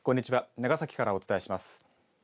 長崎からお伝えします。